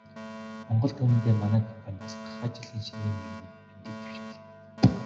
Монгол түмэндээ манай компаниас гахай жилийн шинийн нэгний мэндийг дэвшүүлье.